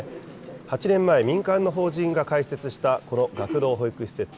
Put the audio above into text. ８年前、民間の法人が開設したこの学童保育施設。